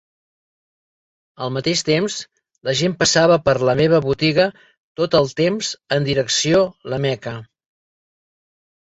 Al mateix temps, la gent passava per la meva botiga tot el temps, en direcció a la Meca.